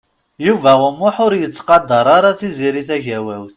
Yuba U Muḥ ur yettqadeṛ ara Tiziri Tagawawt.